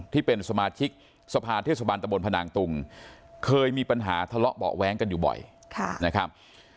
ที่เป็นสมาชิกสภาเทศบาลตะบนพนางตุงเคยมีปัญหาทะเลาะเบาะแว้งกันอยู่บ่อยนะครับ